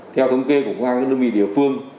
theo thống kê của công an các đơn vị địa phương